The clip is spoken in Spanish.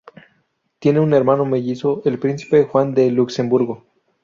Tiene un hermano mellizo el príncipe Juan de Luxemburgo.